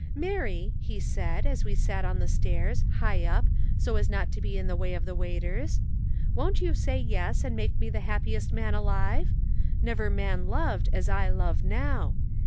'Mary,' he said, as we sat on the stairs, high up, so as not to be in the way of the waiters. 'Won't you say "yes" and make me the happiest man alive? Never man loved as I love now.